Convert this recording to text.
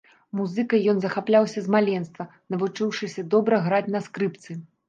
Музыкай ён захапляўся з маленства, навучыўшыся добра граць на скрыпцы.